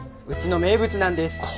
うちの名物なんです